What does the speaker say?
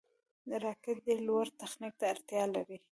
راکټ ډېر لوړ تخنیک ته اړتیا لري